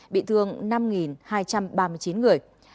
bị thương năm hai trăm ba mươi chín người